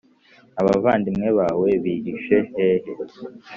abavandimwe bawe bihishe hehe